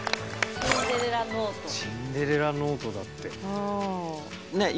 シンデレラノートだって。